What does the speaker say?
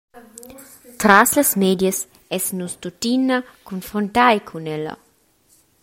Tras las medias essan nus tuttina confruntai cun ella.